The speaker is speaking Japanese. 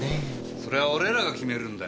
それは俺らが決めるんだよ。